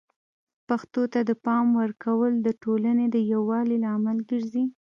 پښتو ته د پام ورکول د ټولنې د یووالي لامل ګرځي.